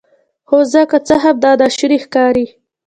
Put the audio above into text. هو زه که څه هم دا ناشونی ښکاري